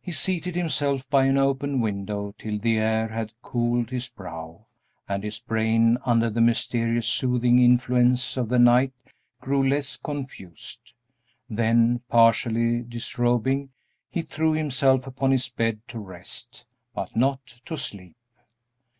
He seated himself by an open window till the air had cooled his brow, and his brain, under the mysterious, soothing influence of the night, grew less confused; then, partially disrobing, he threw himself upon his bed to rest, but not to sleep.